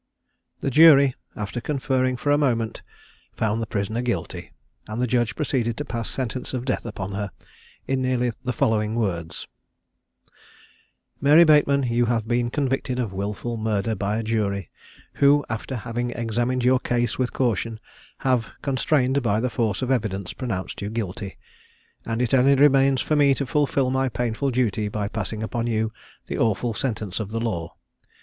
The jury, after conferring for a moment, found the prisoner guilty; and the judge proceeded to pass sentence of death upon her, in nearly the following words: "Mary Bateman, you have been convicted of wilful murder by a jury, who, after having examined your case with caution, have, constrained by the force of evidence, pronounced you guilty; and it only remains for me to fulfil my painful duty by passing upon you the awful sentence of the law.